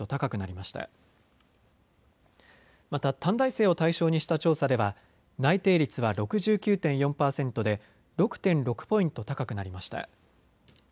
また短大生を対象にした調査では内定率は６９．４％で６．６ポイント高くなりました。